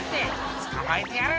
「捕まえてやる！